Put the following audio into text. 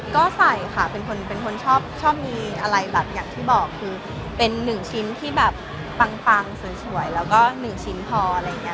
ก็ใส่ค่ะเป็นคนเป็นคนชอบมีอะไรแบบอย่างที่บอกคือเป็นหนึ่งชิ้นที่แบบปังสวยแล้วก็๑ชิ้นพออะไรอย่างนี้